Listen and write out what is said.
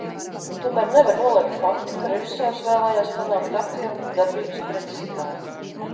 Tomēr nevar noliegt faktu, ka režisors vēlējās panākt aktieru darbības precizitāti.